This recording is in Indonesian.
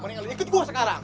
mendingan ikut gue sekarang